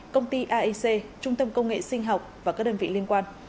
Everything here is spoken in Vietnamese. công ty aic trung tâm công nghệ sinh học và các đơn vị liên quan